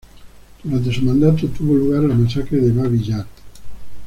Durante su mandato tuvo lugar la masacre de Babi Yar.